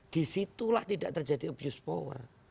disitulah tidak terjadi abuse power